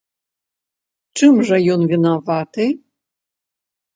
Чым жа ён вінаваты?